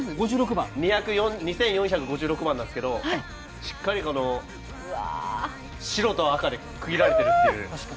２４５６番なんですけど、しっかり白と赤で区切られているんで。